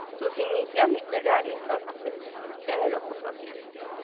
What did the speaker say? Sus inicios literarios datan precisamente de la Ocupación.